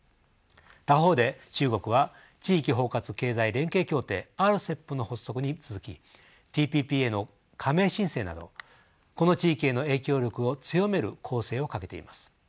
他方で中国は地域包括経済連携協定ＲＣＥＰの発足に続きＴＰＰへの加盟申請などこの地域への影響力を強める攻勢をかけています。